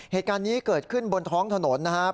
เหตุการณ์นี้เกิดขึ้นบนท้องถนนนะครับ